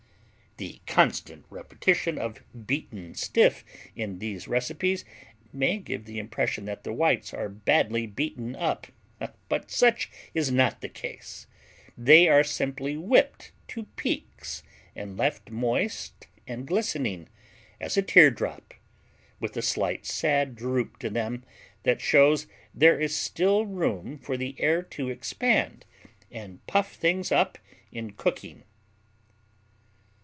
The constant repetition of "beaten stiff" in these recipes may give the impression that the whites are badly beaten up, but such is not the case. They are simply whipped to peaks and left moist and glistening as a teardrop, with a slight sad droop to them that shows there is still room for the air to expand and puff things up in cooking.